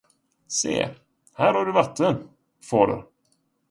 Se, här har du vatten, fader.